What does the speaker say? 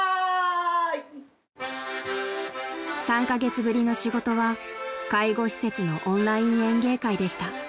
［３カ月ぶりの仕事は介護施設のオンライン演芸会でした］